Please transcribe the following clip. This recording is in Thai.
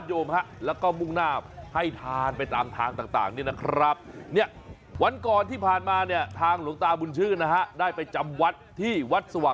ชาวบ้านพิรุข่าวรีบตื่นเช้า